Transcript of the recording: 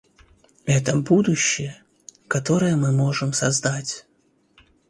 Это будущее, которое мы можем создать.